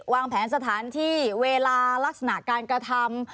วางแผนสถานที่เวลาลักษณะการกระทำ